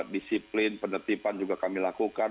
disiplin penertiban juga kami lakukan